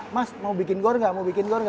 mas mau bikin gor gak